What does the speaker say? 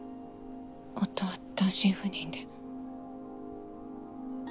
夫は単身赴任で。